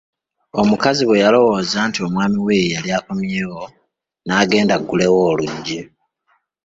Omukazi bwe yalowooza nti omwami we yeyali akomyewo n'agenda aggulewo oluggi.